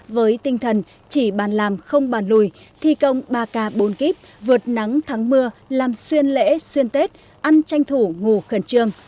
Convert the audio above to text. với tinh thần chỉ bàn làm không bàn lùi thi công ba k bốn k vượt nắng thắng mưa làm xuyên lễ xuyên tết ăn tranh thủ ngủ khẩn trương